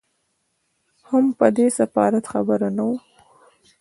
هم په دې سفارت خبر نه وو.